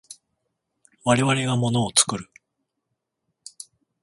我々が物を作る。